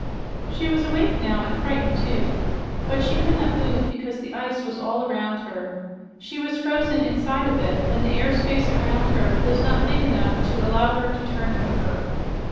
She was awake now, and frightened, too. But she could not move because the ice was all around her. She was frozen inside of it, and the air space around her was not big enough to allow her to turn over.